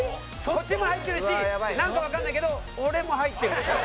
こっちも入ってるしなんかわかんないけど俺も入ってるっていう。